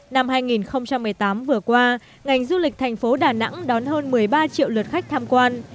năm hai nghìn một mươi tám vừa qua ngành du lịch thành phố đà nẵng đón hơn một mươi ba triệu lượt khách tham quan